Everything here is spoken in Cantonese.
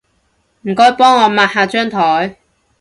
唔該幫我抹下張枱